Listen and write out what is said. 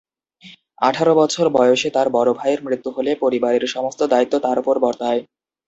আঠারো বছর বয়সে তার বড়ো ভাইয়ের মৃত্যু হলে পরিবারের সমস্ত দায়িত্ব তার ওপর বর্তায়।